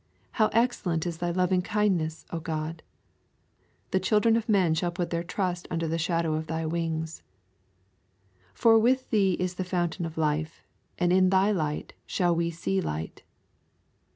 How excellent is Thy loving kindness, O God! The children of men shall put their trust under the shadow of Thy wings. For with Thee is the fountain of life, and in Thy light shall we see light.